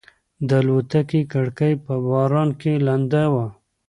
د الوتکې کړکۍ په باران کې لنده وه.